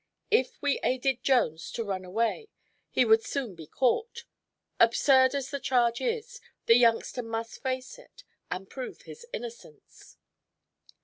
If we aided Jones to run away he would soon be caught. Absurd as the charge is, the youngster must face it and prove his innocence."